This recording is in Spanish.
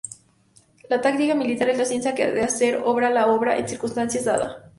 La táctica militar es la ciencia de hacer obrar la fuerza en circunstancias dadas.